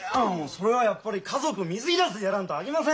それはやっぱり家族水入らずでやらんとあきません！